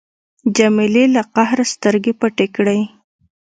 جمیلې له قهره سترګې پټې کړې.